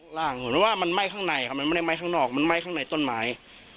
เห็นว่ามันไหม้ข้างในครับมันไม่ได้ไหม้ข้างนอกมันไหม้ข้างในต้นไม้